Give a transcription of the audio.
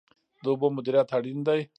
د اوبو مدیریت اړین دی.